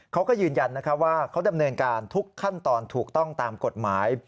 เขาก็ยืนยันว่าเขาดำเนินการทุกขั้นตอนถูกต้องตามกฎหมาย